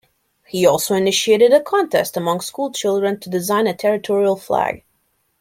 He also initiated a contest among school children to design a territorial flag.